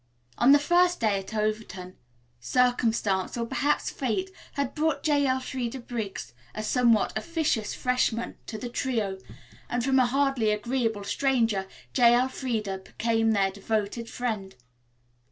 On their first day at Overton circumstance, or perhaps fate, had brought J. Elfreda Briggs, a somewhat officious freshman, to the trio, and from a hardly agreeable stranger J. Elfreda became their devoted friend.